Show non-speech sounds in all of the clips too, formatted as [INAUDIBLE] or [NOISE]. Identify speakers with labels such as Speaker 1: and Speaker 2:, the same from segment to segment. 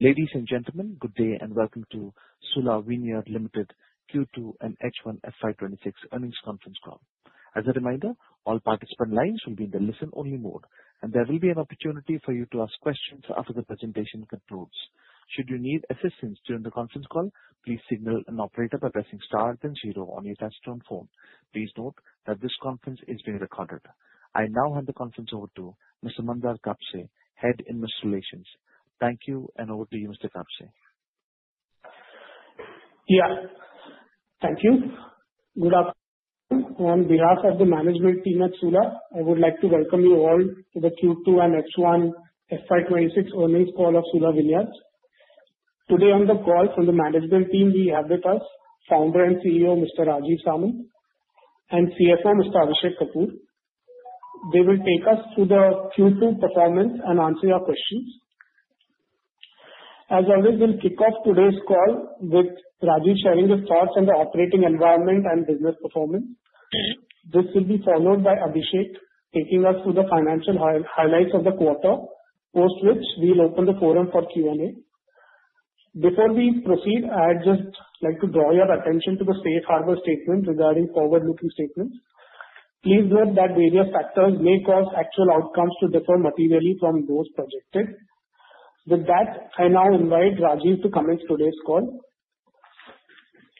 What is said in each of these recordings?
Speaker 1: Ladies and gentlemen, good day and welcome to Sula Vineyards Limited Q2 and H1 FY 2026 earnings conference call. As a reminder, all participant lines will be in the listen-only mode, and there will be an opportunity for you to ask questions after the presentation concludes. Should you need assistance during the conference call, please signal an operator by pressing star then zero on your touch-tone phone. Please note that this conference is being recorded. I now hand the conference over to Mr. Mandar Kapse, Head Investor Relations. Thank you, and over to you, Mr. Kapse.
Speaker 2: Yeah. Thank you. Good afternoon. On behalf of the management team at Sula, I would like to welcome you all to the Q2 and H1 FY 2026 earnings call of Sula Vineyards. Today on the call from the management team, we have with us Founder and CEO Mr. Rajeev Samant and CFO Mr. Abhishek Kapoor. They will take us through the Q2 performance and answer your questions. As always, we'll kick off today's call with Rajeev sharing his thoughts on the operating environment and business performance. This will be followed by Abhishek taking us through the financial highlights of the quarter, post which we'll open the forum for Q&A. Before we proceed, I'd just like to draw your attention to the safe harbor statement regarding forward-looking statements. Please note that various factors may cause actual outcomes to differ materially from those projected. With that, I now invite Rajeev to come into today's call.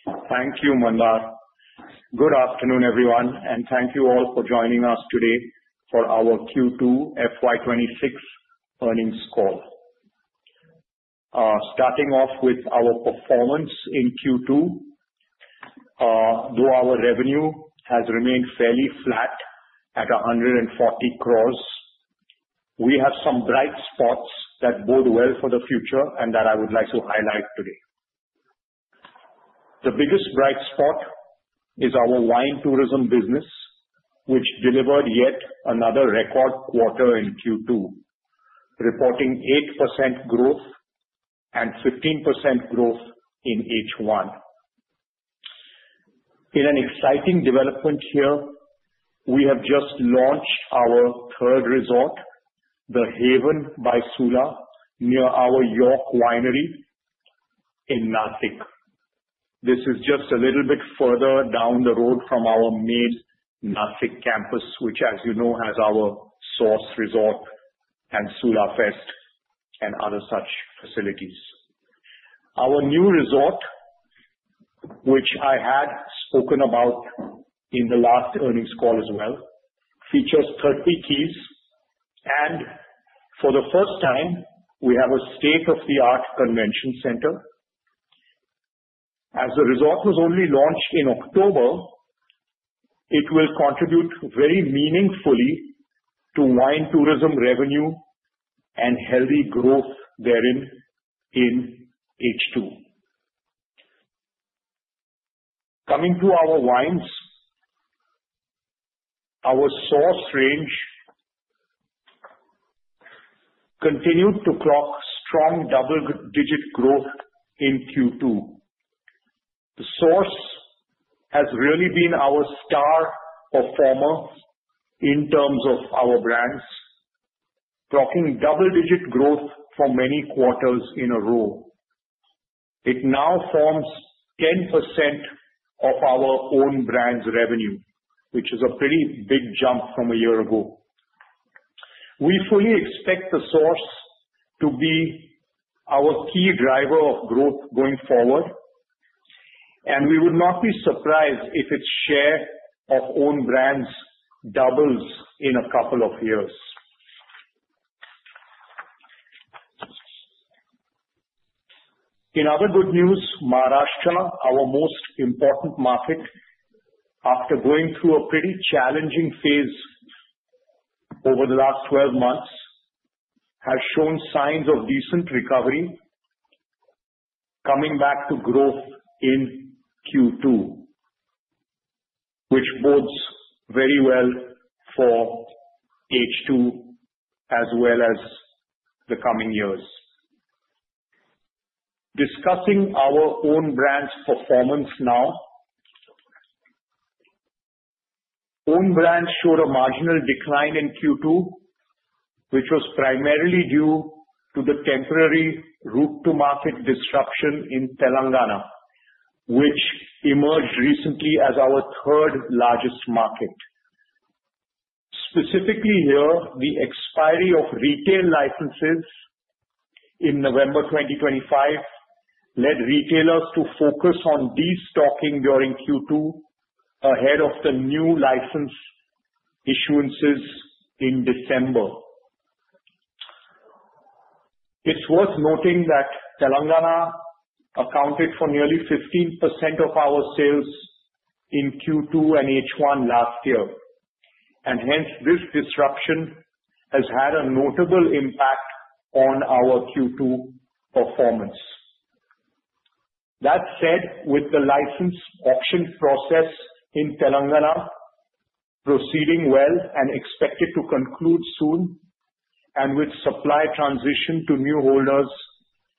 Speaker 3: Thank you, Mandar. Good afternoon, everyone, and thank you all for joining us today for our Q2 FY 2026 earnings call. Starting off with our performance in Q2, though our revenue has remained fairly flat at 140 crores, we have some bright spots that bode well for the future and that I would like to highlight today. The biggest bright spot is our wine tourism business, which delivered yet another record quarter in Q2, reporting 8% growth and 15% growth in H1. In an exciting development here, we have just launched our third resort, The Haven by Sula, near our York Winery in Nashik. This is just a little bit further down the road from our main Nashik campus, which, as you know, has our Sula Resort and SulaFest and other such facilities. Our new resort, which I had spoken about in the last earnings call as well, features 30 keys, and for the first time, we have a state-of-the-art convention center. As the resort was only launched in October, it will contribute very meaningfully to wine tourism revenue and healthy growth therein in H2. Coming to our wines, our Source range continued to clock strong double-digit growth in Q2. The Source has really been our star performer in terms of our brands, clocking double-digit growth for many quarters in a row. It now forms 10% of our own brand's revenue, which is a pretty big jump from a year ago. We fully expect the Source to be our key driver of growth going forward, and we would not be surprised if its share of own brands doubles in a couple of years. In other good news, Maharashtra, our most important market, after going through a pretty challenging phase over the last 12 months, has shown signs of decent recovery, coming back to growth in Q2, which bodes very well for H2 as well as the coming years. Discussing our own brand's performance now, own brand showed a marginal decline in Q2, which was primarily due to the temporary route-to-market disruption in Telangana, which emerged recently as our third-largest market. Specifically here, the expiry of retail licenses in November 2025 led retailers to focus on destocking during Q2 ahead of the new license issuances in December. It's worth noting that Telangana accounted for nearly 15% of our sales in Q2 and H1 last year, and hence this disruption has had a notable impact on our Q2 performance. That said, with the license auction process in Telangana proceeding well and expected to conclude soon, and with supply transition to new holders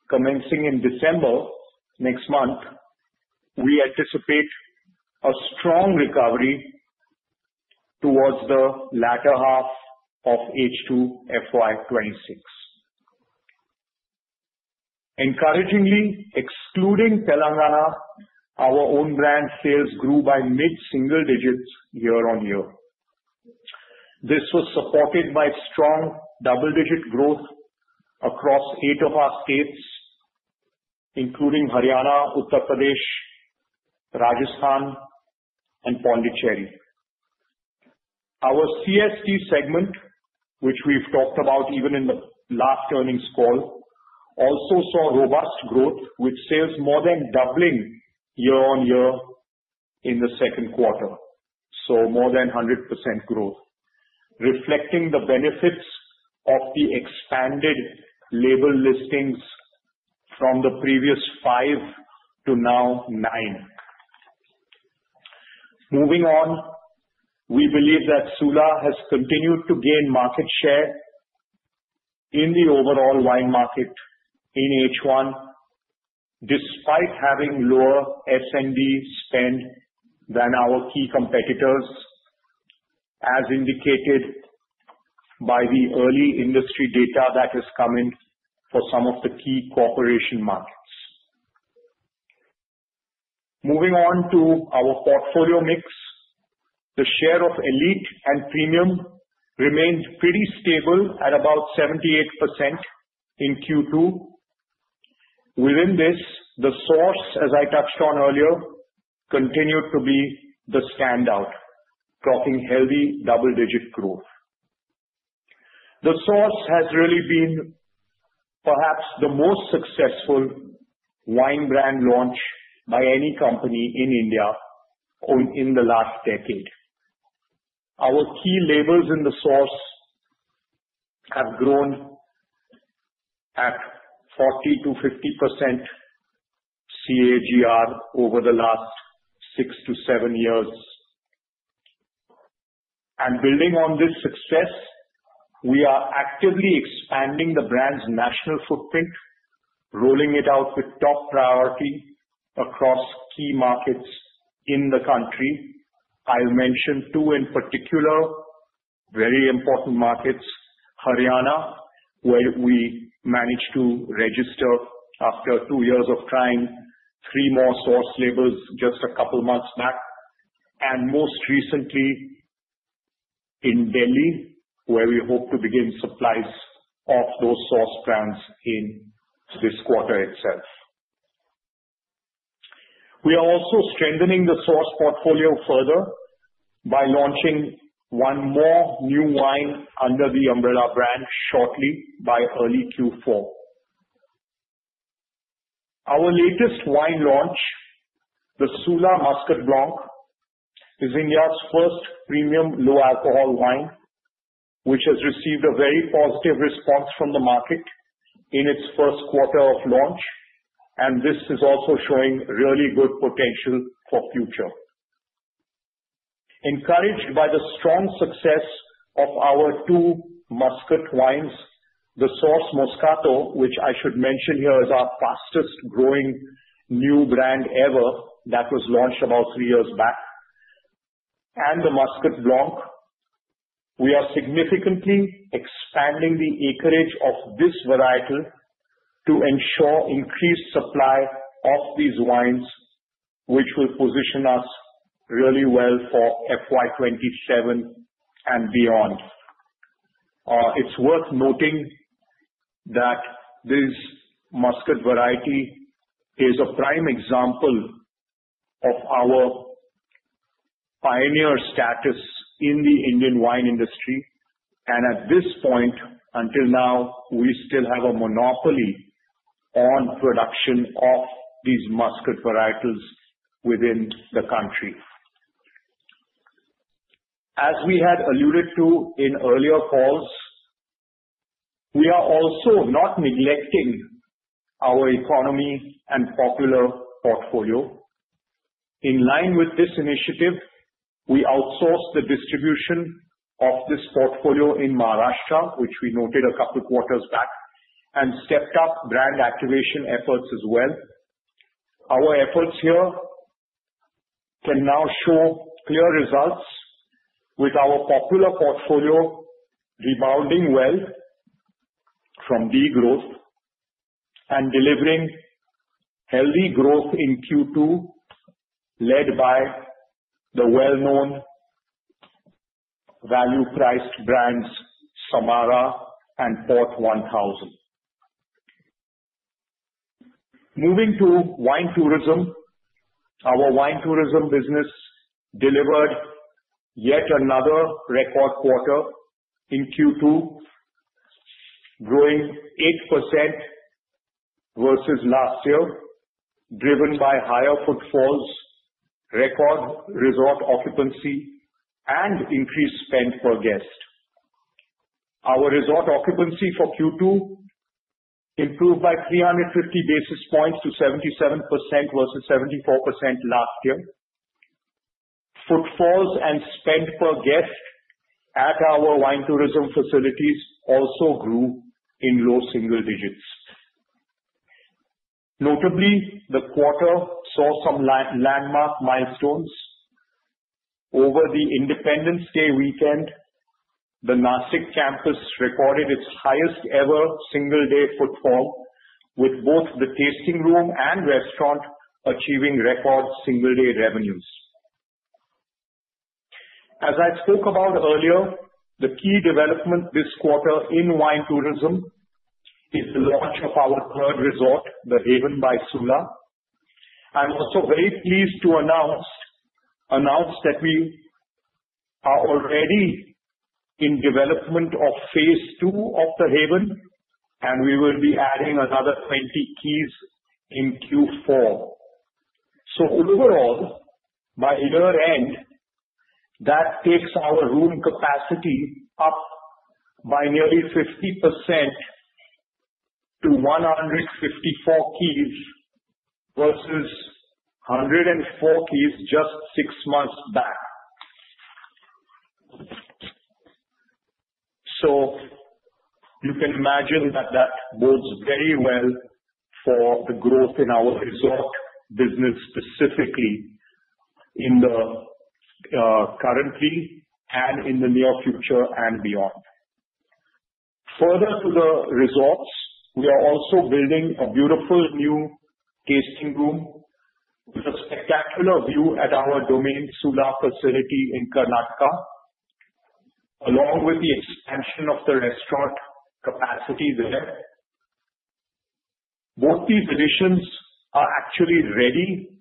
Speaker 3: commencing in December next month, we anticipate a strong recovery towards the latter half of H2 FY 2026. Encouragingly, excluding Telangana, our own brand sales grew by mid-single digits year on year. This was supported by strong double-digit growth across eight of our states, including Haryana, Uttar Pradesh, Rajasthan, and Puducherry. Our CSD segment, which we've talked about even in the last earnings call, also saw robust growth, with sales more than doubling year on year in the second quarter, so more than 100% growth, reflecting the benefits of the expanded label listings from the previous five to now nine. Moving on, we believe that Sula has continued to gain market share in the overall wine market in H1, despite having lower S&D spend than our key competitors, as indicated by the early industry data that has come in for some of the key corporation markets. Moving on to our portfolio mix, the share of elite and premium remained pretty stable at about 78% in Q2. Within this, The Source, as I touched on earlier, continued to be the standout, clocking healthy double-digit growth. The Source has really been perhaps the most successful wine brand launch by any company in India in the last decade. Our key labels in The Source have grown at 40%-50% CAGR over the last six to seven years. Building on this success, we are actively expanding the brand's national footprint, rolling it out with top priority across key markets in the country. I'll mention two in particular, very important markets: Haryana, where we managed to register after two years of trying three more Source labels just a couple of months back, and most recently in Delhi, where we hope to begin supplies of those Source brands in this quarter itself. We are also strengthening the Source portfolio further by launching one more new wine under the umbrella brand shortly by early Q4. Our latest wine launch, the Sula Muscat Blanc, is India's first premium low-alcohol wine, which has received a very positive response from the market in its first quarter of launch, and this is also showing really good potential for future. Encouraged by the strong success of our two Muscat wines, the Source Moscato, which I should mention here is our fastest-growing new brand ever that was launched about three years back, and the Muscat Blanc, we are significantly expanding the acreage of this varietal to ensure increased supply of these wines, which will position us really well for FY 2027 and beyond. It's worth noting that this Muscat variety is a prime example of our pioneer status in the Indian wine industry, and at this point, until now, we still have a monopoly on production of these Muscat varietals within the country. As we had alluded to in earlier calls, we are also not neglecting our economy and popular portfolio. In line with this initiative, we outsourced the distribution of this portfolio in Maharashtra, which we noted a couple of quarters back, and stepped up brand activation efforts as well. Our efforts here can now show clear results, with our popular portfolio rebounding well from degrowth and delivering healthy growth in Q2, led by the well-known value-priced brands Samara and Port 1000. Moving to wine tourism, our wine tourism business delivered yet another record quarter in Q2, growing 8% versus last year, driven by higher footfalls, record resort occupancy, and increased spend per guest. Our resort occupancy for Q2 improved by 350 basis points to 77% versus 74% last year. Footfalls and spend per guest at our wine tourism facilities also grew in low single digits. Notably, the quarter saw some landmark milestones. Over the Independence Day weekend, the Nashik campus recorded its highest-ever single-day footfall, with both the tasting room and restaurant achieving record single-day revenues. As I spoke about earlier, the key development this quarter in wine tourism is the launch of our third resort, The Haven by Sula. I'm also very pleased to announce that we are already in development of phase two of The Haven, and we will be adding another 20 keys in Q4. So overall, by year-end, that takes our room capacity up by nearly 50% to 154 keys versus 104 keys just six months back. So you can imagine that that bodes very well for the growth in our resort business specifically in the currently and in the near future and beyond. Further to the resorts, we are also building a beautiful new tasting room with a spectacular view at our Domaine Sula facility in Karnataka, along with the expansion of the restaurant capacity there. Both these additions are actually ready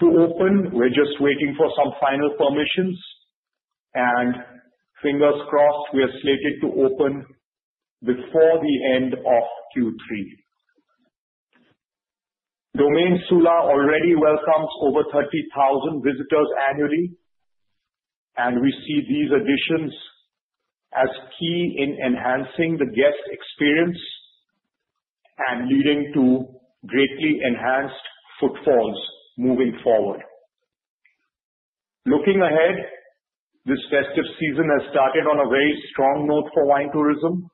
Speaker 3: to open. We're just waiting for some final permissions, and fingers crossed, we are slated to open before the end of Q3. Domaine Sula already welcomes over 30,000 visitors annually, and we see these additions as key in enhancing the guest experience and leading to greatly enhanced footfalls moving forward. Looking ahead, this festive season has started on a very strong note for wine tourism.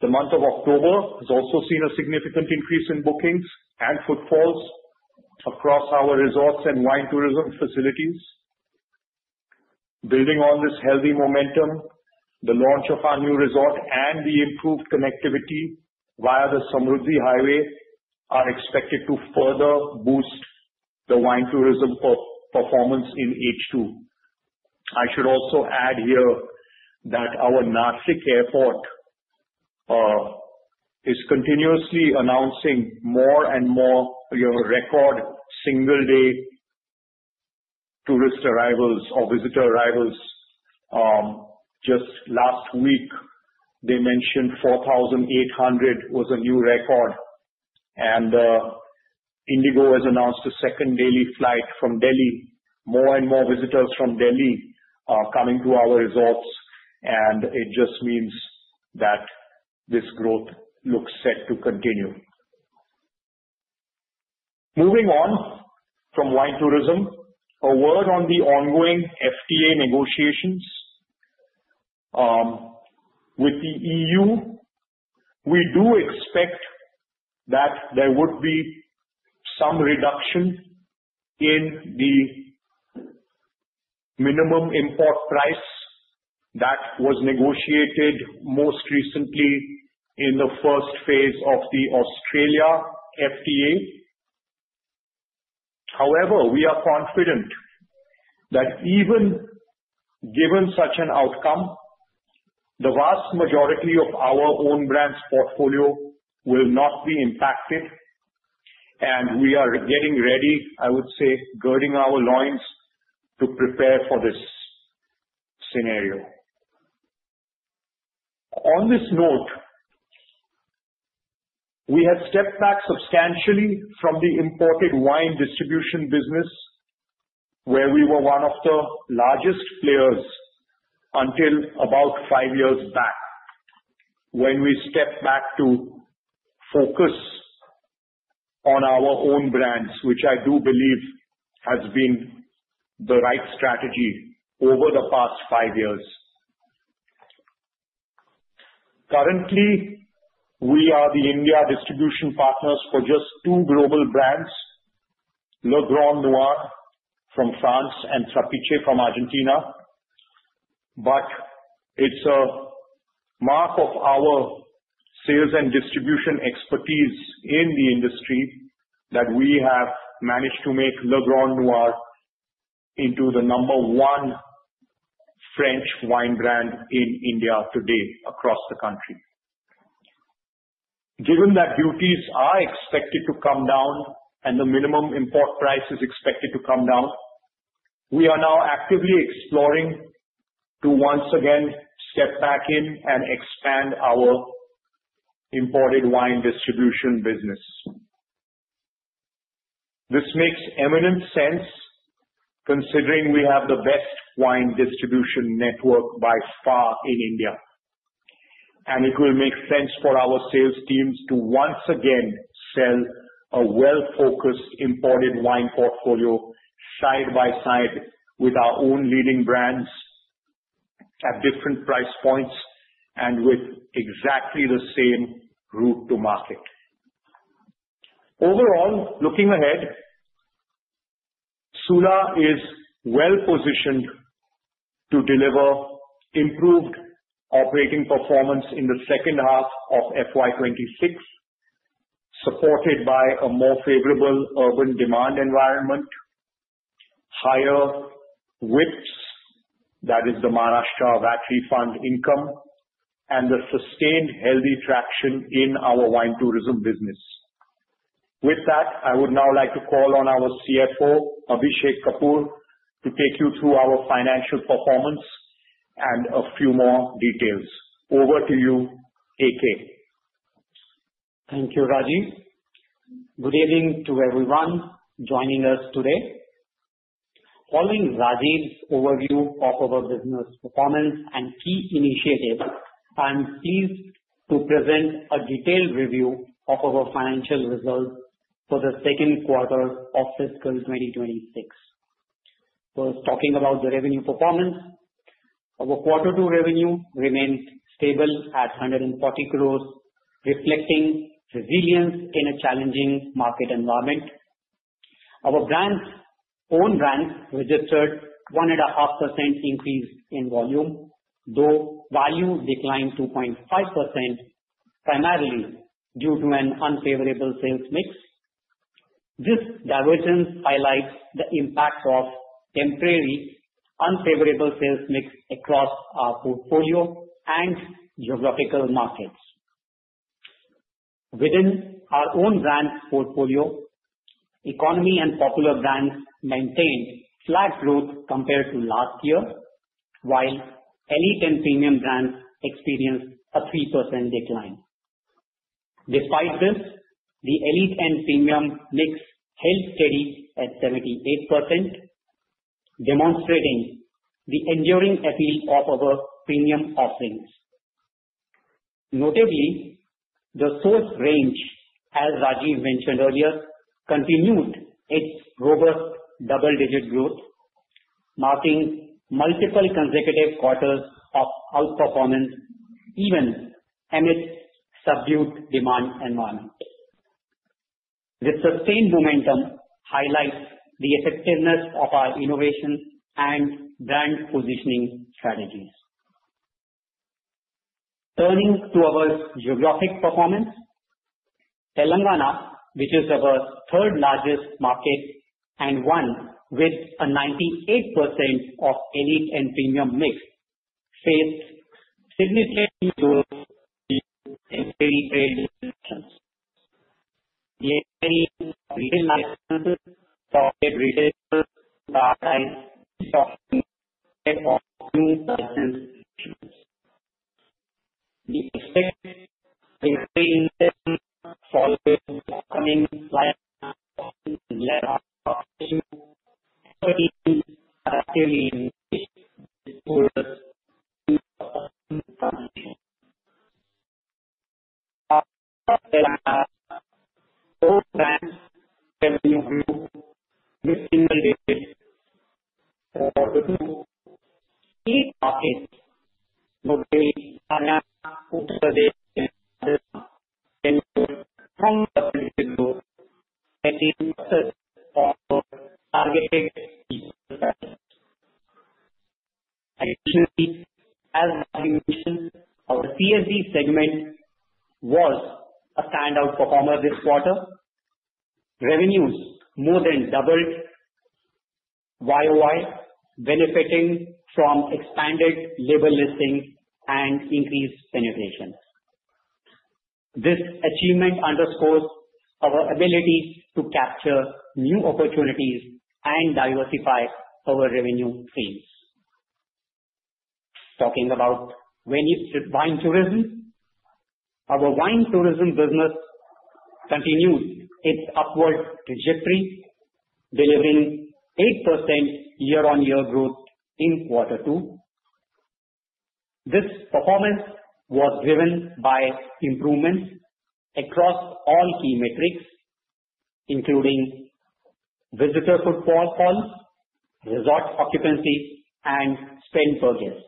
Speaker 3: The month of October has also seen a significant increase in bookings and footfalls across our resorts and wine tourism facilities. Building on this healthy momentum, the launch of our new resort and the improved connectivity via the Samruddhi Mahamarg are expected to further boost the wine tourism performance in H2. I should also add here that our Nashik Airport is continuously announcing more and more record single-day tourist arrivals or visitor arrivals. Just last week, they mentioned 4,800 was a new record, and IndiGo has announced a second daily flight from Delhi. More and more visitors from Delhi are coming to our resorts, and it just means that this growth looks set to continue. Moving on from wine tourism, a word on the ongoing FTA negotiations with the EU. We do expect that there would be some reduction in the minimum import price that was negotiated most recently in the first phase of the Australia FTA. However, we are confident that even given such an outcome, the vast majority of our own brand's portfolio will not be impacted, and we are getting ready, I would say, girding our loins to prepare for this scenario. On this note, we have stepped back substantially from the imported wine distribution business, where we were one of the largest players until about five years back, when we stepped back to focus on our own brands, which I do believe has been the right strategy over the past five years. Currently, we are the India distribution partners for just two global brands, Le Grand Noir from France and Trapiche from Argentina. But it's a mark of our sales and distribution expertise in the industry that we have managed to make Le Grand Noir into the number one French wine brand in India today across the country. Given that duties are expected to come down and the minimum import price is expected to come down, we are now actively exploring to once again step back in and expand our imported wine distribution business. This makes eminent sense considering we have the best wine distribution network by far in India, and it will make sense for our sales teams to once again sell a well-focused imported wine portfolio side by side with our own leading brands at different price points and with exactly the same route to market. Overall, looking ahead, Sula is well-positioned to deliver improved operating performance in the second half of FY 2026, supported by a more favorable urban demand environment, higher WIPS, that is the Maharashtra VAT refund income, and the sustained healthy traction in our wine tourism business. With that, I would now like to call on our CFO, Abhishek Kapoor, to take you through our financial performance and a few more details. Over to you, AK.
Speaker 4: Thank you, Rajeev. Good evening to everyone joining us today. Following Rajeev's overview of our business performance and key initiatives, I'm pleased to present a detailed review of our financial results for the second quarter of fiscal 2026. First, talking about the revenue performance, our quarter two revenue remained stable at 140 crores, reflecting resilience in a challenging market environment. Our own brand registered a 1.5% increase in volume, though value declined 2.5% primarily due to an unfavorable sales mix. This divergence highlights the impact of temporary unfavorable sales mix across our portfolio and geographical markets. Within our own brand portfolio, economy and popular brands maintained flat growth compared to last year, while elite and premium brands experienced a 3% decline. Despite this, the elite and premium mix held steady at 78%, demonstrating the enduring appeal of our premium offerings. Notably, The Source range, as Rajeev mentioned earlier, continued its robust double-digit growth, marking multiple consecutive quarters of outperformance even amidst subdued demand environment. This sustained momentum highlights the effectiveness of our innovation and brand positioning strategies. Turning to our geographic performance, Telangana, which is our third-largest market and one with a 98% of Elite and Premium mix, faced significant growth in delivery and retail licenses to upgrade retail products and software for new license agents. The expected [AUDIO DISTORTION] following upcoming client acquisition activity is positive for the brand's revenue growth with single-digit growth. For the two key markets. [AUDIO DISTORTION] Strong competitive growth setting up for targeted key markets. Additionally, as Rajeev mentioned, our CSD segment was a standout performer this quarter. Revenues more than doubled YOY, benefiting from expanded label listing and increased penetrations. This achievement underscores our ability to capture new opportunities and diversify our revenue streams. Talking about wine tourism, our wine tourism business continued its upward trajectory, delivering 8% year-on-year growth in quarter two. This performance was driven by improvements across all key metrics, including visitor footfall, resort occupancy, and spend per guest.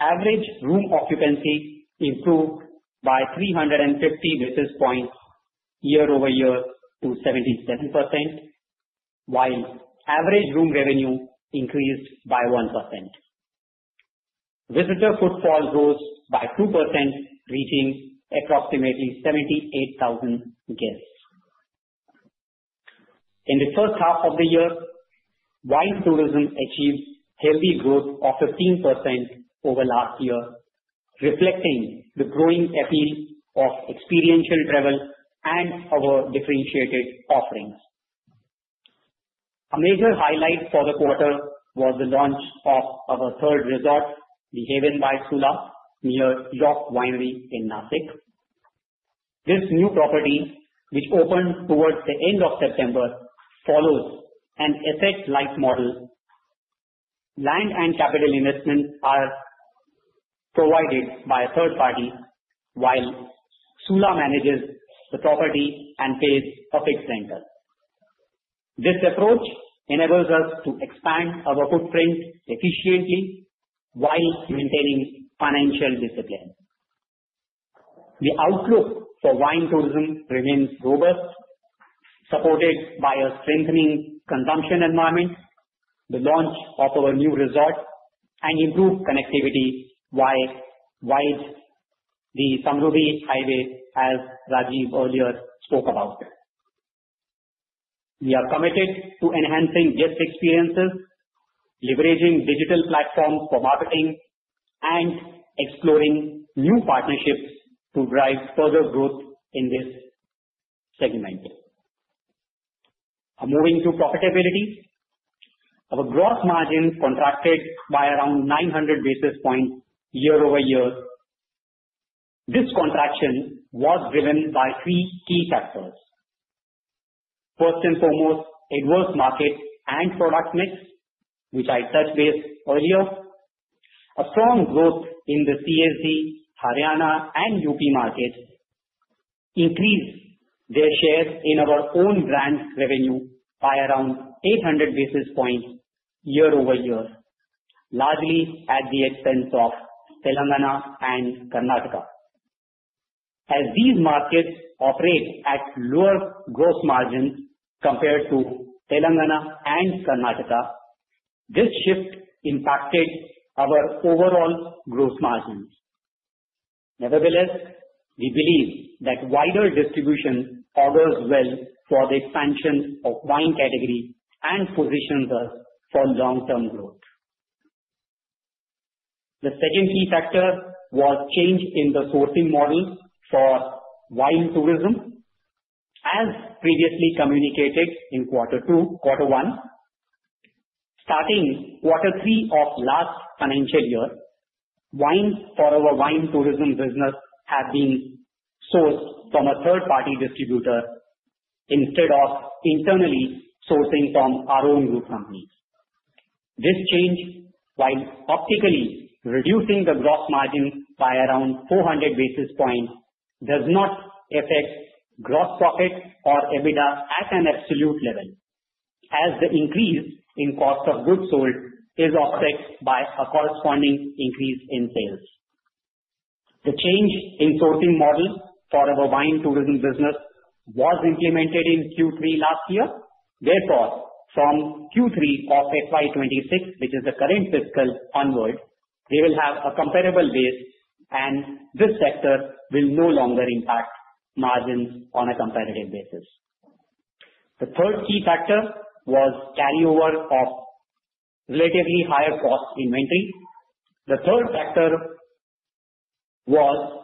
Speaker 4: Average room occupancy improved by 350 basis points year-over-year to 77%, while average room revenue increased by 1%. Visitor footfall rose by 2%, reaching approximately 78,000 guests. In the first half of the year, wine tourism achieved healthy growth of 15% over last year, reflecting the growing appeal of experiential travel and our differentiated offerings. A major highlight for the quarter was the launch of our third resort, The Haven by Sula, near York Winery in Nashik. This new property, which opened towards the end of September, follows an asset-like model. Land and capital investments are provided by a third party, while Sula manages the property and pays a fixed rental. This approach enables us to expand our footprint efficiently while maintaining financial discipline. The outlook for wine tourism remains robust, supported by a strengthening consumption environment, the launch of our new resort, and improved connectivity via the Samruddhi Mahamarg, as Rajeev earlier spoke about. We are committed to enhancing guest experiences, leveraging digital platforms for marketing, and exploring new partnerships to drive further growth in this segment. Moving to profitability, our gross margin contracted by around 900 basis points year-over-year. This contraction was driven by three key factors. First and foremost, adverse market and product mix, which I touched base earlier. A strong growth in the CSD, Haryana, and UP markets increased their share in our own brand revenue by around 800 basis points year-over-year, largely at the expense of Telangana and Karnataka. As these markets operate at lower gross margins compared to Telangana and Karnataka, this shift impacted our overall gross margins. Nevertheless, we believe that wider distribution augurs well for the expansion of wine category and positions us for long-term growth. The second key factor was change in the sourcing model for wine tourism. As previously communicated in quarter two, quarter one, starting quarter three of last financial year, wine for our wine tourism business has been sourced from a third-party distributor instead of internally sourcing from our own group companies. This change, while optically reducing the gross margin by around 400 basis points, does not affect gross profit or EBITDA at an absolute level, as the increase in cost of goods sold is offset by a corresponding increase in sales. The change in sourcing model for our wine tourism business was implemented in Q3 last year. Therefore, from Q3 of FY 2026, which is the current fiscal onward, we will have a comparable base, and this sector will no longer impact margins on a competitive basis. The third key factor was carryover of relatively higher cost inventory. The third factor was,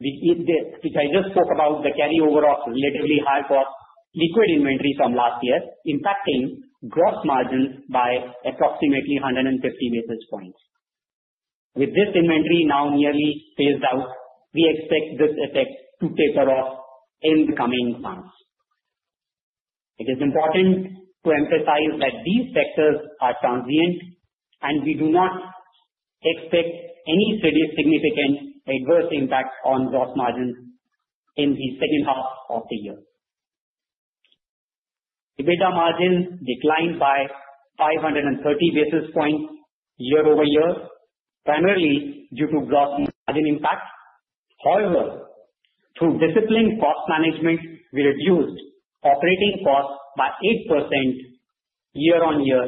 Speaker 4: which I just spoke about, the carryover of relatively higher cost liquid inventory from last year, impacting gross margins by approximately 150 basis points. With this inventory now nearly phased out, we expect this effect to taper off in the coming months. It is important to emphasize that these factors are transient, and we do not expect any significant adverse impact on gross margins in the second half of the year. EBITDA margins declined by 530 basis points year-over-year, primarily due to gross margin impact. However, through disciplined cost management, we reduced operating costs by 8% year-on-year,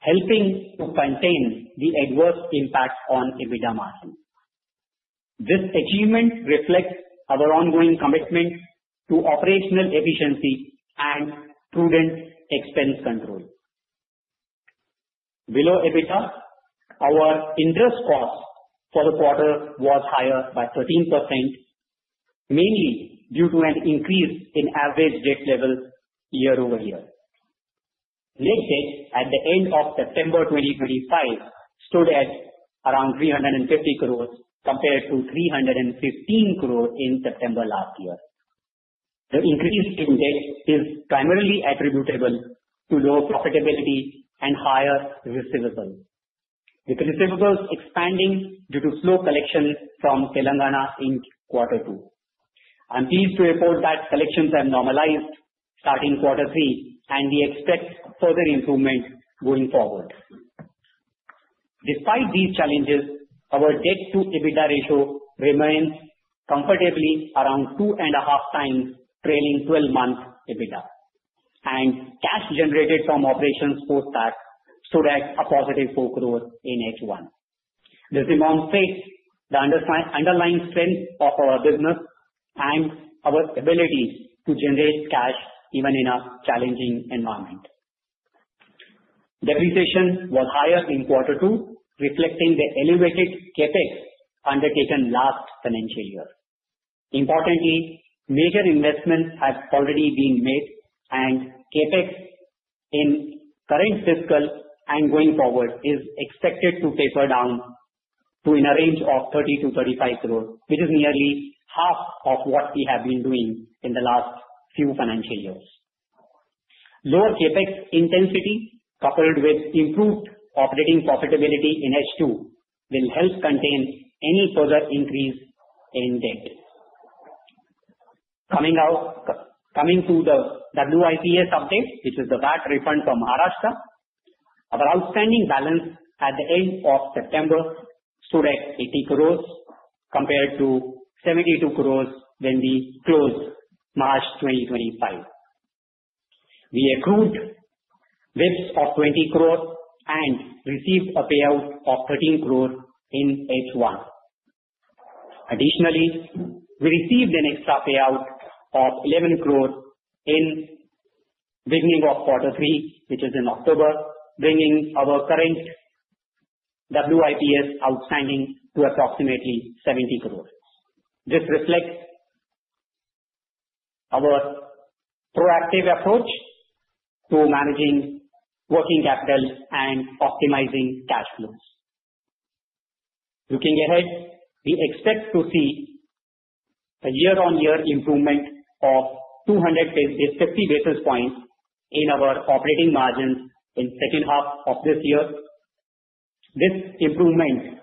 Speaker 4: helping to contain the adverse impact on EBITDA margins. This achievement reflects our ongoing commitment to operational efficiency and prudent expense control. Below EBITDA, our interest cost for the quarter was higher by 13%, mainly due to an increase in average debt level year-over-year. Net debt at the end of September 2025 stood at around 350 crores compared to 315 crores in September last year. The increase in debt is primarily attributable to lower profitability and higher receivables, with receivables expanding due to slow collection from Telangana in quarter two. I'm pleased to report that collections have normalized starting quarter three, and we expect further improvement going forward. Despite these challenges, our debt-to-EBITDA ratio remains comfortably around two and a half times trailing 12-month EBITDA, and cash generated from operations post-tax stood at a positive INR 4 crores in H1. This demonstrates the underlying strength of our business and our ability to generate cash even in a challenging environment. Depreciation was higher in quarter two, reflecting the elevated CapEx undertaken last financial year. Importantly, major investments have already been made, and CapEx in current fiscal and going forward is expected to taper down to in a range of 30-35 crores, which is nearly half of what we have been doing in the last few financial years. Lower CapEx intensity, coupled with improved operating profitability in H2, will help contain any further increase in debt. Coming to the WIPS update, which is the VAT refund for Maharashtra, our outstanding balance at the end of September stood at 80 crores compared to 72 crores when we closed March 2025. We accrued debts of 20 crores and received a payout of 13 crores in H1. Additionally, we received an extra payout of 11 crores in the beginning of quarter three, which is in October, bringing our current WIPS outstanding to approximately 70 crores. This reflects our proactive approach to managing working capital and optimizing cash flows. Looking ahead, we expect to see a year-on-year improvement of 250 basis points in our operating margins in the second half of this year. This improvement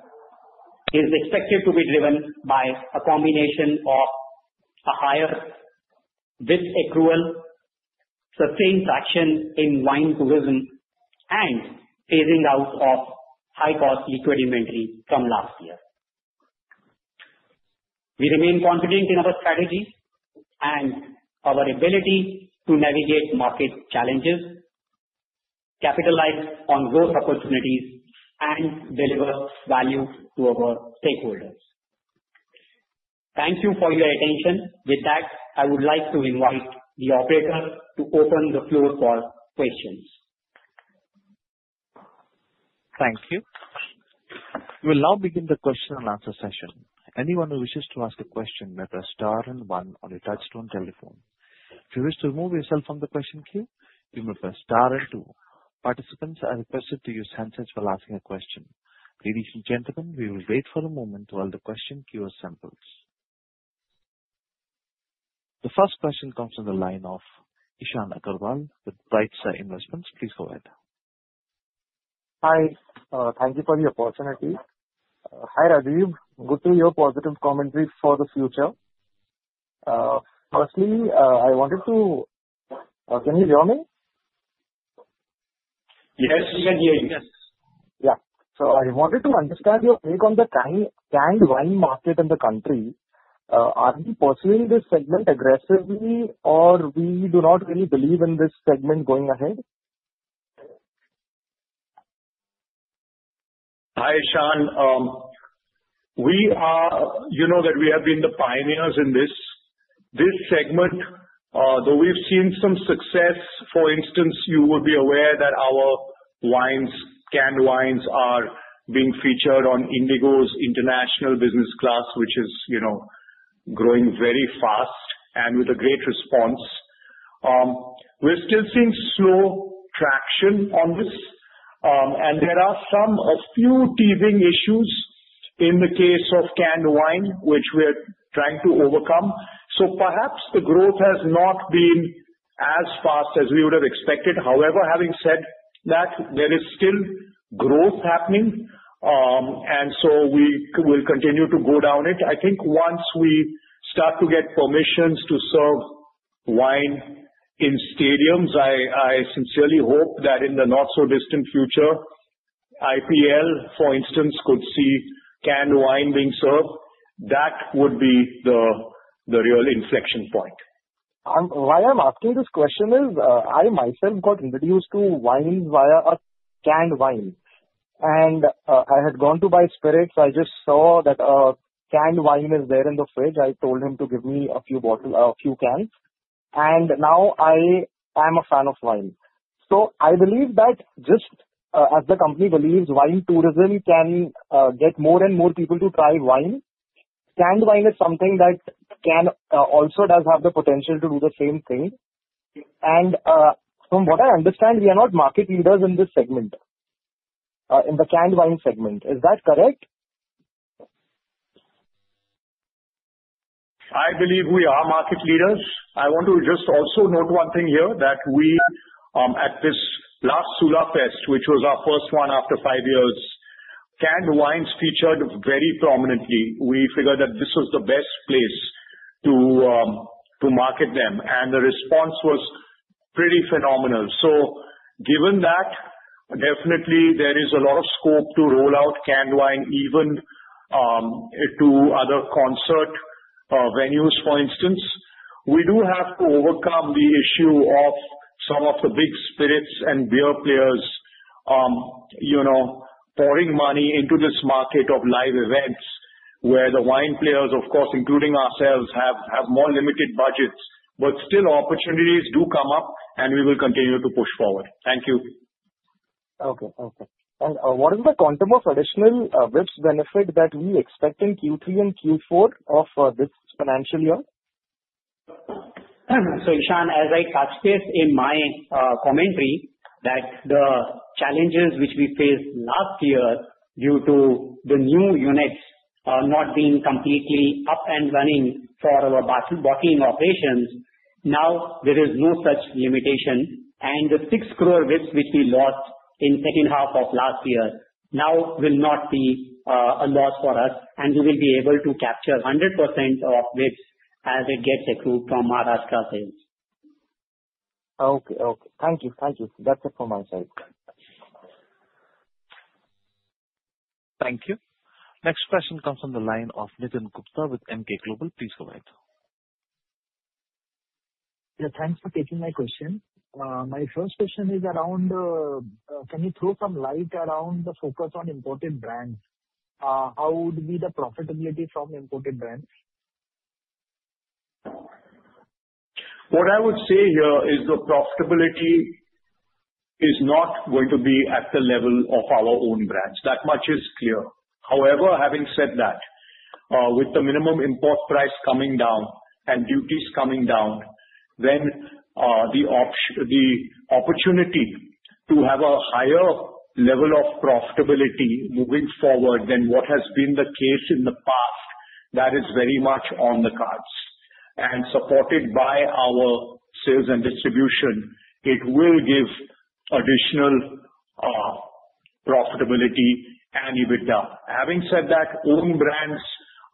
Speaker 4: is expected to be driven by a combination of a higher debt accrual, sustained traction in wine tourism, and phasing out of high-cost liquid inventory from last year. We remain confident in our strategy and our ability to navigate market challenges, capitalize on growth opportunities, and deliver value to our stakeholders. Thank you for your attention. With that, I would like to invite the operator to open the floor for questions.
Speaker 1: Thank you. We will now begin the question and answer session. Anyone who wishes to ask a question may press star and one on your touch-tone telephone. If you wish to remove yourself from the question queue, you may press star and two. Participants are requested to use handsets while asking a question. Ladies and gentlemen, we will wait for a moment while the question queue assembles. The first question comes from the line of Ishan Agarwal with Bright Star Investments. Please go ahead.
Speaker 5: Hi. Thank you for the opportunity. Hi Rajeev. Good to hear positive commentary for the future. Firstly, I wanted to. Can you hear me? Yes, we can hear you. Yes. Yeah. So I wanted to understand your take on the canned wine market in the country. Are we pursuing this segment aggressively, or do we not really believe in this segment going ahead?
Speaker 3: Hi, Ishan. You know that we have been the pioneers in this segment, though we've seen some success. For instance, you will be aware that our canned wines are being featured on IndiGo's International Business Class, which is growing very fast and with a great response. We're still seeing slow traction on this, and there are a few teething issues in the case of canned wine, which we are trying to overcome. So perhaps the growth has not been as fast as we would have expected. However, having said that, there is still growth happening, and so we will continue to go down it. I think once we start to get permissions to serve wine in stadiums, I sincerely hope that in the not-so-distant future, IPL, for instance, could see canned wine being served. That would be the real inflection point.
Speaker 5: Why I'm asking this question is I myself got introduced to wines via canned wines. And I had gone to buy spirits. I just saw that a canned wine is there in the fridge. I told him to give me a few cans. And now I am a fan of wine. So I believe that just as the company believes wine tourism can get more and more people to try wine, canned wine is something that also does have the potential to do the same thing. And from what I understand, we are not market leaders in this segment, in the canned wine segment. Is that correct?
Speaker 3: I believe we are market leaders. I want to just also note one thing here that at this last SulaFest, which was our first one after five years, canned wines featured very prominently. We figured that this was the best place to market them, and the response was pretty phenomenal. So given that, definitely there is a lot of scope to roll out canned wine even to other concert venues, for instance. We do have to overcome the issue of some of the big spirits and beer players pouring money into this market of live events where the wine players, of course, including ourselves, have more limited budgets. But still, opportunities do come up, and we will continue to push forward. Thank you.
Speaker 5: Okay. Okay. And what is the quantum of additional WIPS benefit that we expect in Q3 and Q4 of this financial year?
Speaker 4: So Ishan, as I touched base in my commentary that the challenges which we faced last year due to the new units not being completely up and running for our bottling operations, now there is no such limitation. And the six crore WIPS which we lost in the second half of last year now will not be a loss for us, and we will be able to capture 100% of WIPS as it gets accrued from Maharashtra sales.
Speaker 5: Okay. Okay. Thank you. Thank you. That's it from my side.
Speaker 1: Thank you. Next question comes from the line of Nitin Gupta with Emkay Global. Please go ahead.
Speaker 6: Thanks for taking my question. My first question is around can you throw some light around the focus on imported brands? How would be the profitability from imported brands?
Speaker 3: What I would say here is the profitability is not going to be at the level of our own brands. That much is clear. However, having said that, with the minimum import price coming down and duties coming down, then the opportunity to have a higher level of profitability moving forward than what has been the case in the past, that is very much on the cards. And supported by our sales and distribution, it will give additional profitability and EBITDA. Having said that, own brands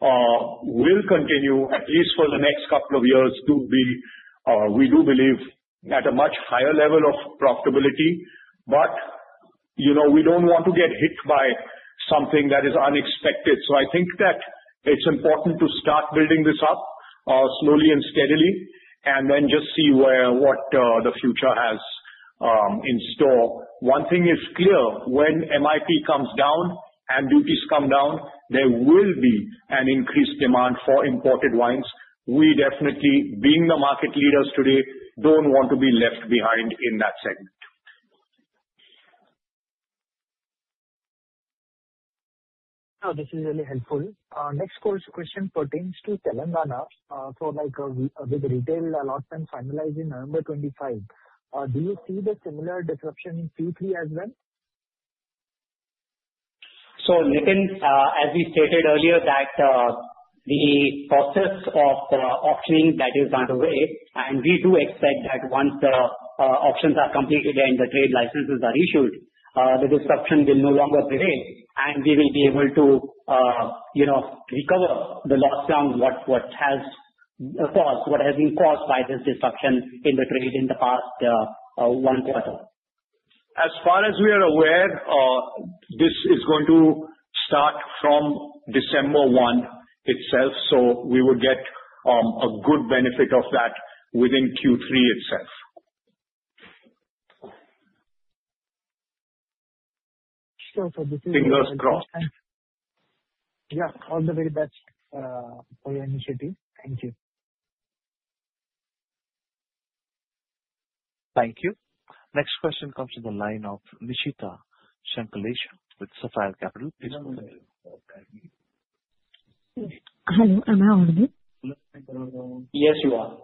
Speaker 3: will continue, at least for the next couple of years, to be, we do believe at a much higher level of profitability. But we don't want to get hit by something that is unexpected. So I think that it's important to start building this up slowly and steadily and then just see what the future has in store. One thing is clear: when MIP comes down and duties come down, there will be an increased demand for imported wines. We definitely, being the market leaders today, don't want to be left behind in that segment.
Speaker 6: This is really helpful. Next question pertains to Telangana for the retail lot finalizing November 25. Do you see the similar disruption in Q3 as well?
Speaker 4: So Nitin, as we stated earlier, that the process of the offering that is underway, and we do expect that once the options are completed and the trade licenses are issued, the disruption will no longer prevail, and we will be able to recover the loss from what has been caused by this disruption in the trade in the past one quarter.
Speaker 3: As far as we are aware, this is going to start from December 1 itself, so we would get a good benefit of that within Q3 itself. Fingers crossed.
Speaker 6: Yeah. All the very best for your initiative. Thank you.
Speaker 1: Thank you. Next question comes from the line of Nishita Shanklesha with Sapphire Capital. Please go ahead.
Speaker 7: Hello. Am I on the line?
Speaker 1: Yes, you are.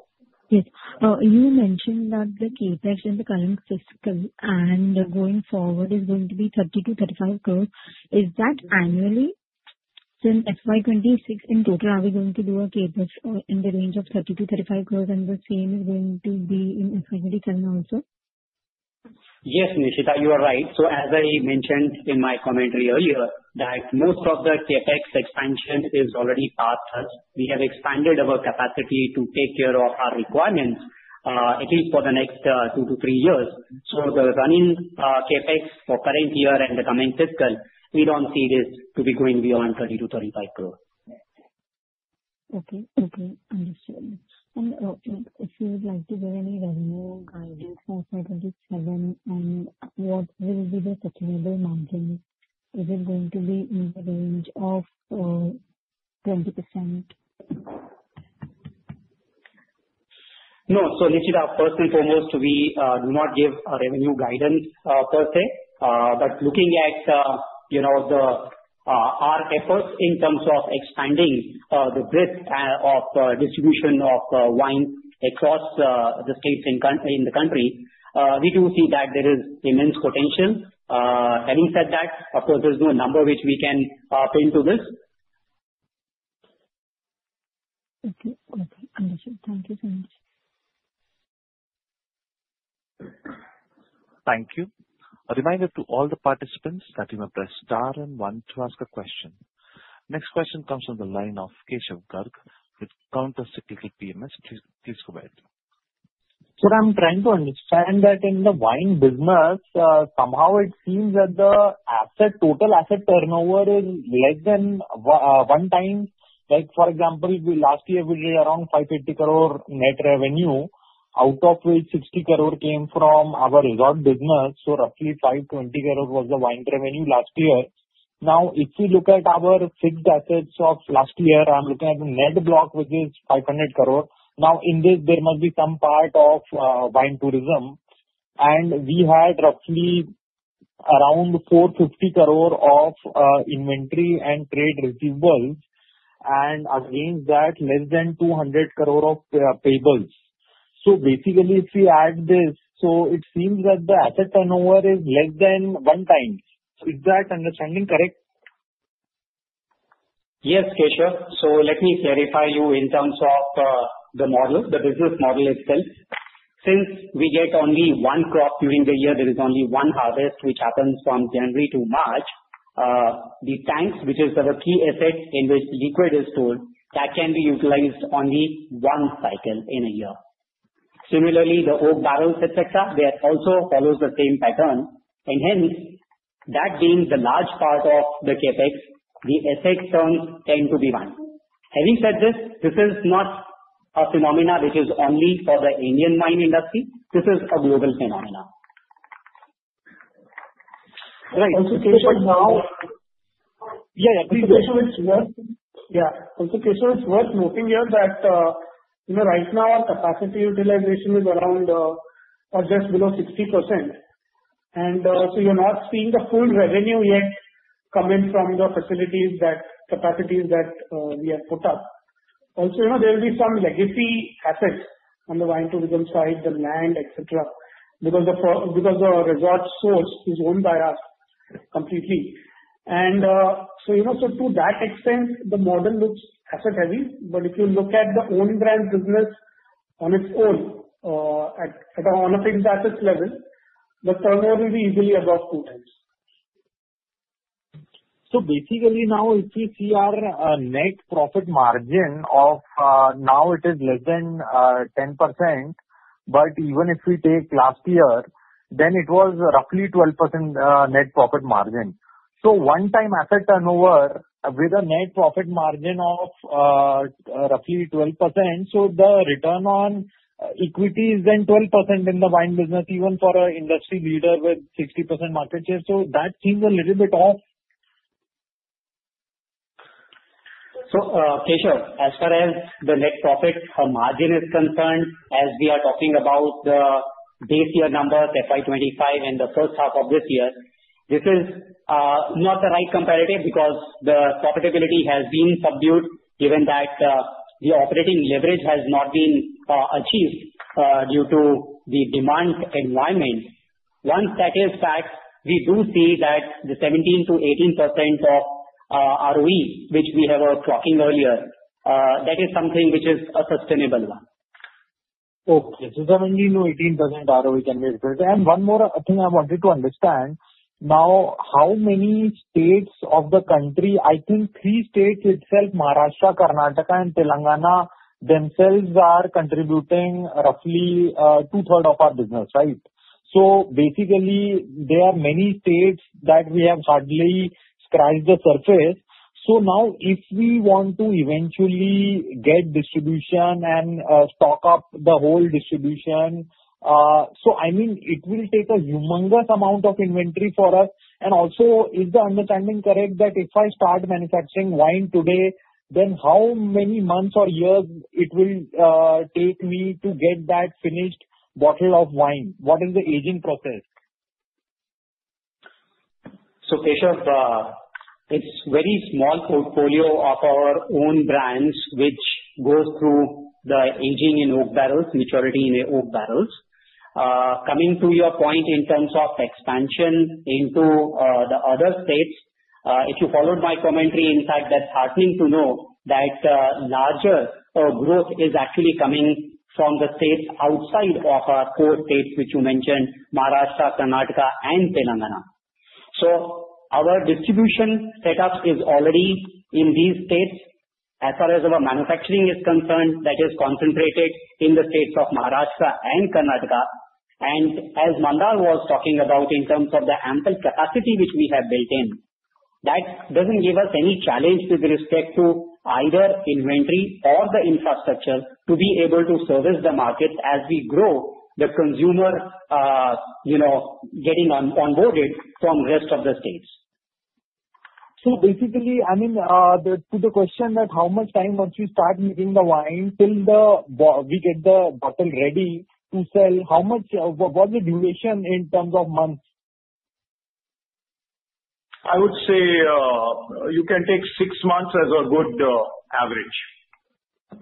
Speaker 7: Yes. You mentioned that the CapEx in the current fiscal and going forward is going to be 30-35 crores. Is that annually? So in FY 2026, in total, are we going to do a CapEx in the range of 30-35 crores, and the same is going to be in FY 2027 also?
Speaker 3: Yes, Nishita, you are right. So as I mentioned in my commentary earlier, that most of the CapEx expansion is already past us. We have expanded our capacity to take care of our requirements at least for the next two to three years. So the running CapEx for current year and the coming fiscal, we don't see this to be going beyond 30-35 crores.
Speaker 7: Okay. Okay. Understood. If you would like to give any revenue guidance for FY 27 and what will be the sustainable margin, is it going to be in the range of 20%?
Speaker 3: No. So Nishita, first and foremost, we do not give revenue guidance per se. But looking at our efforts in terms of expanding the grid of distribution of wine across the states in the country, we do see that there is immense potential. Having said that, of course, there's no number which we can pin to this.
Speaker 7: Okay. Okay. Understood. Thank you so much.
Speaker 1: Thank you. A reminder to all the participants that you may press star and one to ask a question. Next question comes from the line of Keshav Garg with Counter Cyclical PMS. Please go ahead.
Speaker 8: Sir, I'm trying to understand that in the wine business, somehow it seems that the total asset turnover is less than one time. For example, last year, we did around 580 crore net revenue, out of which 60 crore came from our resort business. So roughly 520 crore was the wine revenue last year. Now, if we look at our fixed assets of last year, I'm looking at the net block, which is 500 crore. Now, in this, there must be some part of wine tourism. And we had roughly around 450 crore of inventory and trade receivables. And against that, less than 200 crore of payables. So basically, if we add this, so it seems that the asset turnover is less than one time. Is that understanding correct?
Speaker 3: Yes, Keshav. So let me clarify you in terms of the model, the business model itself. Since we get only one crop during the year, there is only one harvest, which happens from January to March. The tanks, which is our key asset in which liquid is stored, that can be utilized only one cycle in a year. Similarly, the oak barrels, etc., they also follow the same pattern. And hence, that being the large part of the CapEx, the asset turns tend to be one. Having said this, this is not a phenomenon which is only for the Indian wine industry. This is a global phenomenon.
Speaker 4: Right. Yeah. Yeah. Also, Keshav, it's worth noting here that right now, our capacity utilization is around or just below 60%. And so you're not seeing the full revenue yet coming from the facilities that capacities that we have put up. Also, there will be some legacy assets on the wine tourism side, the land, etc., because the resort, The Source, is owned by us completely, and so to that extent, the model looks asset-heavy, but if you look at the own brand business on its own, at a standalone level, the turnover will be easily above two times, so basically, now if we see our net profit margin as of now, it is less than 10%, but even if we take last year, then it was roughly 12% net profit margin, so one times asset turnover with a net profit margin of roughly 12%, so the return on equity is then 12% in the wine business, even for an industry leader with 60% market share, so that seems a little bit off.
Speaker 3: Keshav, as far as the net profit margin is concerned, as we are talking about the base year numbers, FY 2025 and the first half of this year, this is not the right comparative because the profitability has been subdued, given that the operating leverage has not been achieved due to the demand environment. Once that is fact, we do see that the 17%-18% ROE, which we were talking earlier, that is something which is a sustainable one.
Speaker 8: Okay. The 17%-18% ROE can be expected. One more thing I wanted to understand. Now, how many states of the country? I think three states itself, Maharashtra, Karnataka, and Telangana themselves are contributing roughly two-thirds of our business, right? Basically, there are many states that we have hardly scratched the surface. So now, if we want to eventually get distribution and stock up the whole distribution, so I mean it will take a humongous amount of inventory for us. And also, is the understanding correct that if I start manufacturing wine today, then how many months or years it will take me to get that finished bottle of wine? What is the aging process?
Speaker 4: So Keshav, it's a very small portfolio of our own brands which goes through the aging in oak barrels, maturity in oak barrels. Coming to your point in terms of expansion into the other states, if you followed my commentary, in fact, that's heartening to know that larger growth is actually coming from the states outside of our core states, which you mentioned, Maharashtra, Karnataka, and Telangana. So our distribution setup is already in these states. As far as our manufacturing is concerned, that is concentrated in the states of Maharashtra and Karnataka. As Mandar was talking about in terms of the ample capacity which we have built in, that doesn't give us any challenge with respect to either inventory or the infrastructure to be able to service the market as we grow the consumer getting onboarded from the rest of the states.
Speaker 8: So basically, I mean, to the question that how much time once we start making the wine till we get the bottle ready to sell, what's the duration in terms of months?
Speaker 3: I would say you can take six months as a good average.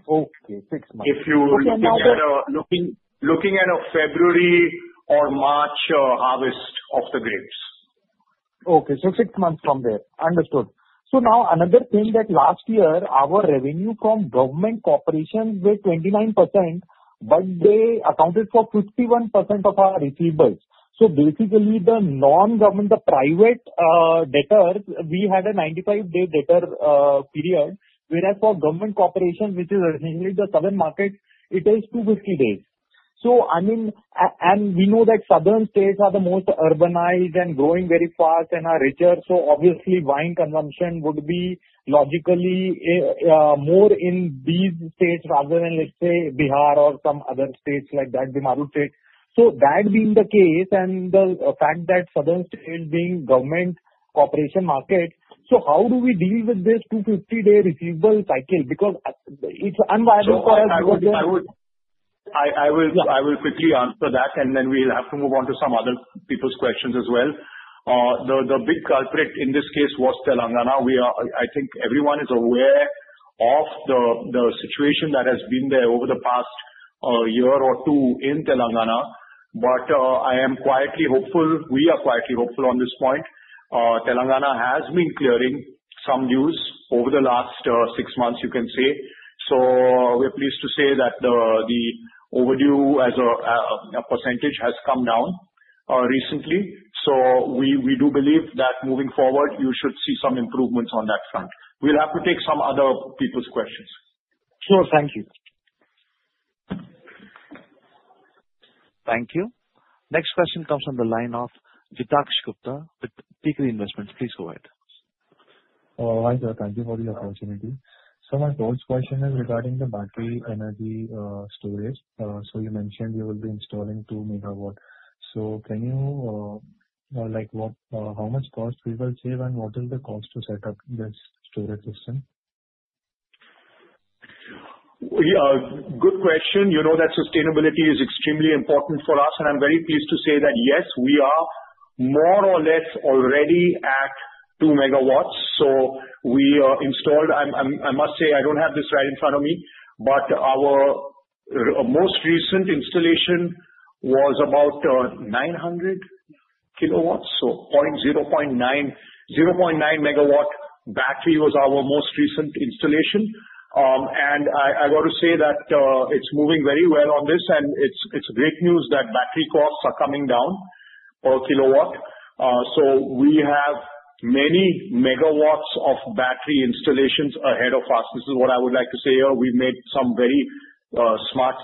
Speaker 8: Okay. Six months.
Speaker 3: If you look at a February or March harvest of the grapes.
Speaker 8: Okay. So six months from there. Understood. So now, another thing that last year, our revenue from government corporations was 29%, but they accounted for 51% of our receivables. So basically, the non-government, the private debtors, we had a 95-day debtor period, whereas for government corporations, which is essentially the southern market, it is 250 days. So I mean, and we know that southern states are the most urbanized and growing very fast and are richer. So obviously, wine consumption would be logically more in these states rather than, let's say, Bihar or some other states like that, Bihar state. So that being the case and the fact that southern states being government corporation market, so how do we deal with this 250-day receivable cycle? Because it's unviable for us.
Speaker 3: I will quickly answer that, and then we'll have to move on to some other people's questions as well. The big culprit in this case was Telangana. I think everyone is aware of the situation that has been there over the past year or two in Telangana. But I am quietly hopeful. We are quietly hopeful on this point. Telangana has been clearing some dues over the last six months, you can say. So we're pleased to say that the overdue as a percentage has come down recently. So we do believe that moving forward, you should see some improvements on that front. We'll have to take some other people's questions.
Speaker 8: Sure. Thank you.
Speaker 1: Thank you. Next question comes from the line of Jitaksh Gupta with Tikri Investments. Please go ahead.
Speaker 9: Thank you for the opportunity. So my first question is regarding the battery energy storage. So you mentioned you will be installing 2 MW. So can you like how much cost we will save and what is the cost to set up this storage system?
Speaker 3: Good question. You know that sustainability is extremely important for us, and I'm very pleased to say that yes, we are more or less already at 2 MW. So we installed, I must say, I don't have this right in front of me, but our most recent installation was about 900 kW. So 0.9 MW battery was our most recent installation. And I got to say that it's moving very well on this, and it's great news that battery costs are coming down per kilowatt. So we have many megawatts of battery installations ahead of us. This is what I would like to say here. We've made some very smart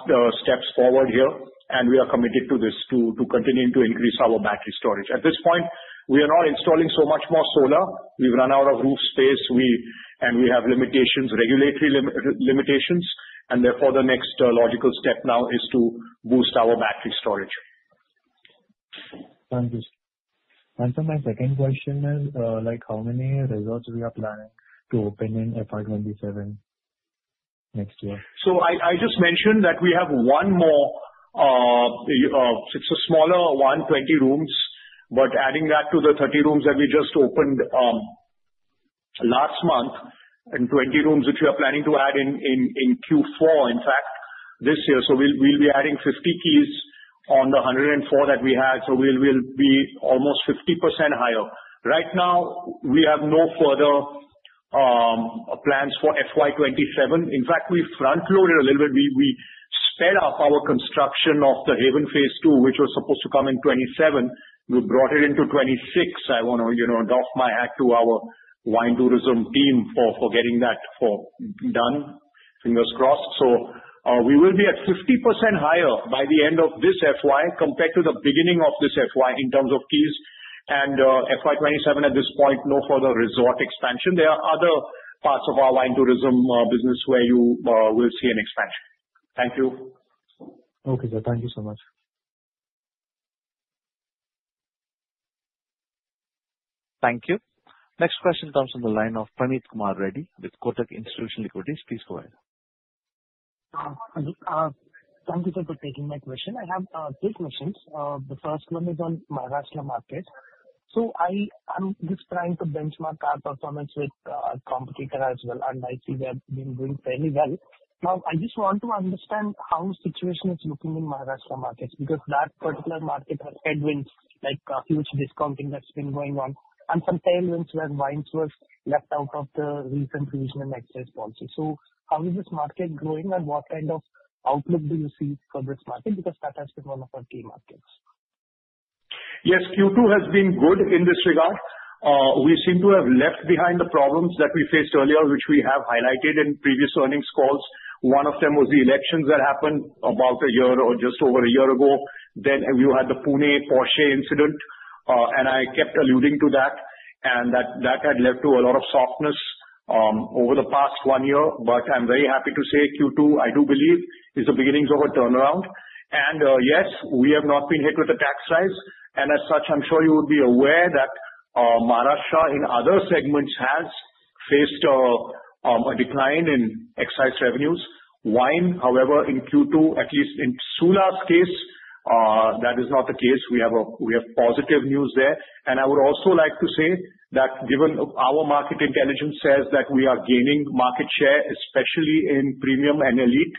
Speaker 3: steps forward here, and we are committed to this to continue to increase our battery storage. At this point, we are not installing so much more solar. We've run out of roof space, and we have regulatory limitations. And therefore, the next logical step now is to boost our battery storage.
Speaker 9: Thank you. And so my second question is, how many resorts we are planning to open in FY 2027 next year?
Speaker 3: So I just mentioned that we have one more, it's a smaller one, 20 rooms. But adding that to the 30 rooms that we just opened last month and 20 rooms which we are planning to add in Q4, in fact, this year. So we'll be adding 50 keys on the 104 that we had. So we'll be almost 50% higher. Right now, we have no further plans for FY 2027. In fact, we front-loaded a little bit. We sped up our construction of the Haven Phase 2, which was supposed to come in 2027. We brought it into 2026. I want to doff my hat to our wine tourism team for getting that done. Fingers crossed. So we will be at 50% higher by the end of this FY compared to the beginning of this FY in terms of keys. And FY 2027, at this point, no further resort expansion. There are other parts of our wine tourism business where you will see an expansion. Thank you.
Speaker 9: Okay. Thank you so much.
Speaker 1: Thank you. Next question comes from the line of Praneeth Kumar Reddy with Kotak Institutional Equities. Please go ahead.
Speaker 10: Thank you, sir, for taking my question. I have two questions. The first one is on Maharashtra market. So I'm just trying to benchmark our performance with our competitor as well. And I see they've been doing fairly well. Now, I just want to understand how the situation is looking in Maharashtra market because that particular market has headwinds, like huge discounting that's been going on, and some tailwinds where wines were left out of the recent regional export policy. So how is this market growing, and what kind of outlook do you see for this market? Because that has been one of our key markets.
Speaker 3: Yes. Q2 has been good in this regard. We seem to have left behind the problems that we faced earlier, which we have highlighted in previous earnings calls. One of them was the elections that happened about a year or just over a year ago. Then you had the Pune Porsche incident, and I kept alluding to that, and that had led to a lot of softness over the past one year. But I'm very happy to say Q2, I do believe, is the beginnings of a turnaround. And yes, we have not been hit with a tax rise. And as such, I'm sure you would be aware that Maharashtra, in other segments, has faced a decline in excise revenues. Wine, however, in Q2, at least in Sula's case, that is not the case. We have positive news there. And I would also like to say that given our market intelligence says that we are gaining market share, especially in premium and elite,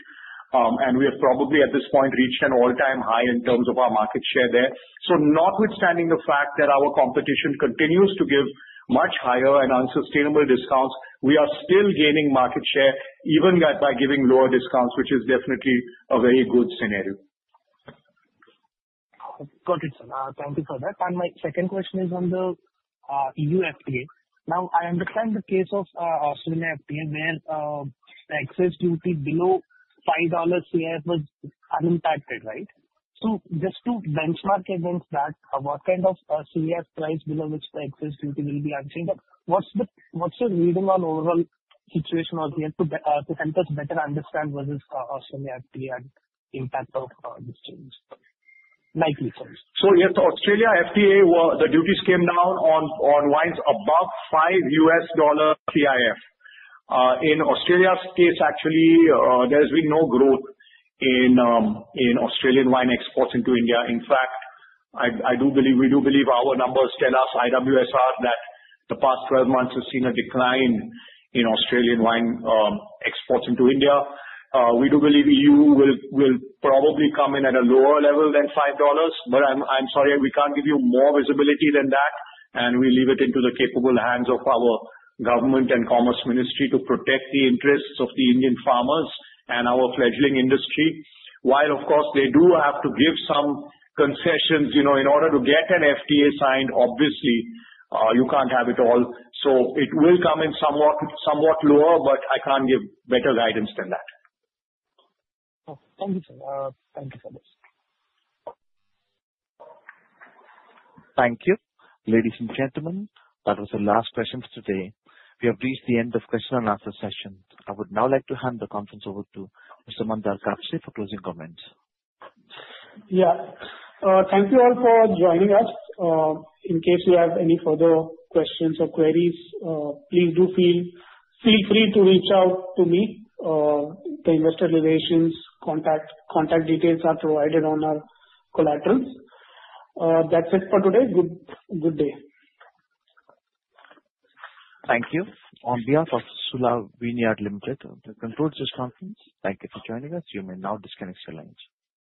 Speaker 3: and we have probably at this point reached an all-time high in terms of our market share there. So notwithstanding the fact that our competition continues to give much higher and unsustainable discounts, we are still gaining market share even by giving lower discounts, which is definitely a very good scenario.
Speaker 10: Got it, sir. Thank you for that. My second question is on the EU FTA. Now, I understand the case of Australia FTA where the excise duty below $5 CIF was unimpacted, right? Just to benchmark against that, what kind of CIF price below which the excise duty will be unchanged? What's your reading on the overall situation out here to help us better understand what is Australia FTA and the impact of this change? Likely change.
Speaker 3: Yes, Australia FTA, the duties came down on wines above $5 CIF. In Australia's case, actually, there has been no growth in Australian wine exports into India. In fact, I do believe our numbers tell us, IWSR, that the past 12 months have seen a decline in Australian wine exports into India. We do believe EU will probably come in at a lower level than $5.But I'm sorry, we can't give you more visibility than that. And we leave it into the capable hands of our government and Commerce Ministry to protect the interests of the Indian farmers and our fledgling industry. While, of course, they do have to give some concessions in order to get an FTA signed. Obviously, you can't have it all. So it will come in somewhat lower, but I can't give better guidance than that.
Speaker 10: Thank you, sir. Thank you so much.
Speaker 1: Thank you. Ladies and gentlemen, that was the last question for today. We have reached the end of the question and answer session. I would now like to hand the conference over to Mr. Mandar Kapse for closing comments.
Speaker 2: Yeah. Thank you all for joining us. In case you have any further questions or queries, please do feel free to reach out to me. The investor relations contact details are provided on our collateral. That's it for today. Good day.
Speaker 1: Thank you. On behalf of Sula Vineyards Limited, that concludes this conference, thank you for joining us. You may now disconnect your lines.